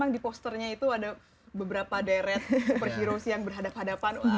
kalau di posternya itu ada beberapa deret superhero sih yang berhadapan hadapan